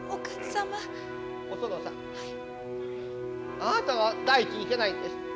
あなたが第一にいけないんです。